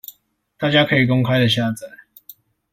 大家可以公開的下載